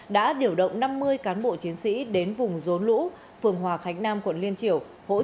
đã điều động năm mươi cán bộ chiến sĩ đến vùng rốn lũ phường hòa khánh nam quận liên triều